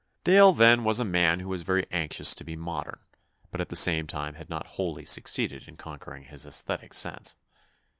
Dale, then, was a man who was very anxious to be modern, but at the same time had not wholly succeeded in conquering his aesthetic sense.